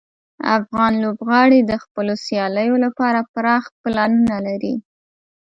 افغان لوبغاړي د خپلو سیالیو لپاره پراخ پلانونه لري.